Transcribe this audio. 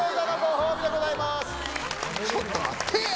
ちょっと待ってぇや。